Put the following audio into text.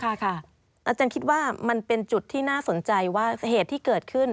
อาจารย์คิดว่ามันเป็นจุดที่น่าสนใจว่าเหตุที่เกิดขึ้น